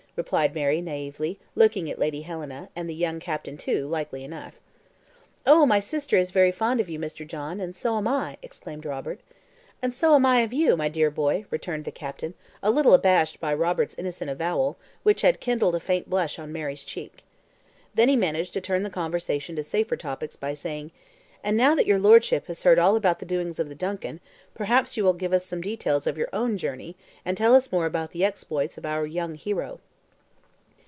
replied Mary naively, looking at Lady Helena, and at the young captain too, likely enough. "Oh, my sister is very fond of you, Mr. John, and so am I," exclaimed Robert. "And so am I of you, my dear boy," returned the captain, a little abashed by Robert's innocent avowal, which had kindled a faint blush on Mary's cheek. Then he managed to turn the conversation to safer topics by saying: "And now that your Lordship has heard all about the doings of the DUNCAN, perhaps you will give us some details of your own journey, and tell us more about the exploits of our young hero."